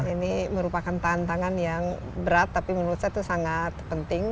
ini merupakan tantangan yang berat tapi menurut saya itu sangat penting